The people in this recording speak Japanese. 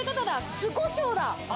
酢コショウだ。